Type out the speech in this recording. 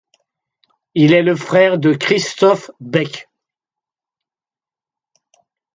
Il est le frère de Christophe Bec.